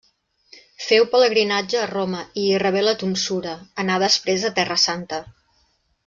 Féu pelegrinatge a Roma i hi rebé la tonsura; anà després a Terra Santa.